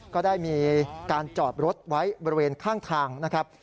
ก็ได้มีการจอดรถไว้บริเวณข้างทางนะครับ